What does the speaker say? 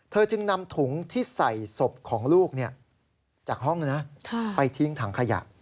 จึงนำถุงที่ใส่ศพของลูกจากห้องนะไปทิ้งถังขยะ